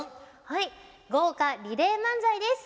はい豪華リレー漫才です。